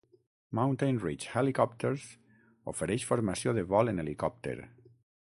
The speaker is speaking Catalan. Mountain Ridge Helicopters ofereix formació de vol en helicòpter.